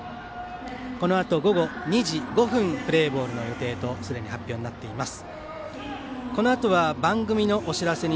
このあと、午後２時５分プレーボールの予定と、すでに発表になっています。